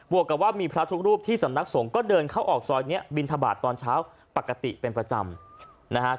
วกกับว่ามีพระทุกรูปที่สำนักสงฆ์ก็เดินเข้าออกซอยนี้บินทบาทตอนเช้าปกติเป็นประจำนะฮะ